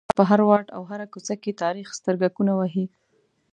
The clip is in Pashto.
د ښار په هر واټ او هره کوڅه کې تاریخ سترګکونه وهي.